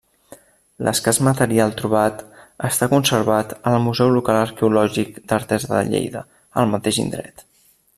L'escàs material trobat està conservat al Museu Local Arqueològic d'Artesa de Lleida, al mateix indret.